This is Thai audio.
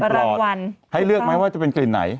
รางวัลให้เลือกไหมว่าจะเป็นกลิ่นไหน